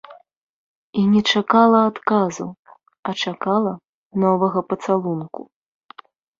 І не чакала адказу, а чакала новага пацалунку.